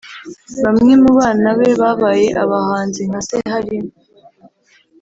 Bamwe mu bana be babaye abahanzi nka se harimo